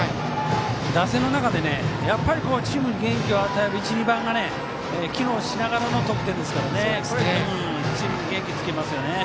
打線の中でやっぱりチームに元気を与える１、２番が機能しながらの得点ですからこれはチームを元気づけますね。